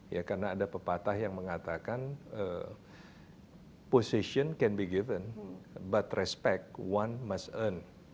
ya karena ada pepatah yang mengatakan position can big given but respect one mus en